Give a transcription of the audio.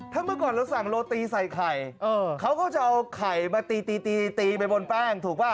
ถ้าเมื่อก่อนเราสั่งโรตีใส่ไข่เขาก็จะเอาไข่มาตีตีไปบนแป้งถูกป่ะ